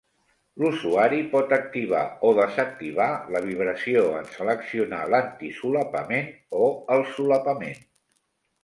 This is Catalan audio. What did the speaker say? L'usuari pot activar o desactivar la vibració en seleccionar l'antisolapament o el solapament.